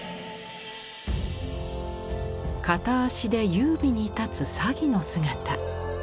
片足で優美に立つ鷺の姿。